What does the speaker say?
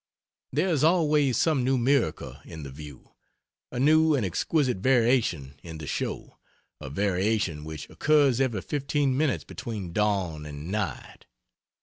There is always some new miracle in the view, a new and exquisite variation in the show, a variation which occurs every 15 minutes between dawn and night.